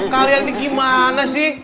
kalian ini gimana sih